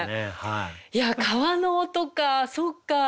いや「川のおと」かそっか！